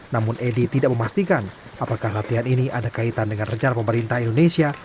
namun edi tidak memastikan apakah latihan ini ada kaitan dengan rencana pemerintah indonesia